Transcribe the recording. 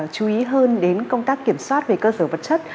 chú ý hơn đến công tác kiểm soát về cơ sở vật chất